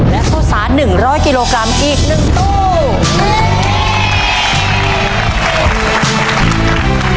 และข้าวสาร๑๐๐กิโลกรัมอีก๑ตู้